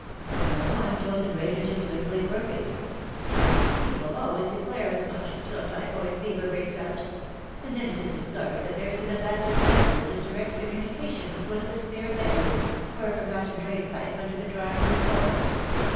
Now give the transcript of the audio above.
'^ No, I am told the drainage is simply perfect.''^ " People always declare as much, till typhoid fever breaks out; and then it is discovered that there is an abandoned cesspool in direct communi cation with one of the sj)are bedrooms, or a forgotten drainpipe under the drawing room floor.